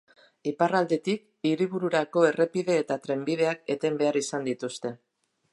Iparraldetik hiribururako errepide eta trenbideak eten behar izan dituzte.